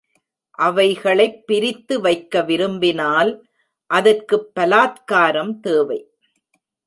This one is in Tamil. அவைகளைப் பிரித்து வைக்க விரும்பினால் அதற்குப் பலாத்காரம் தேவை.